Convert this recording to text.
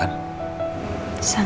dengan dia sekarang